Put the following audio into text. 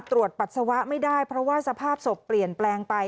ปัสสาวะไม่ได้เพราะว่าสภาพศพเปลี่ยนแปลงไป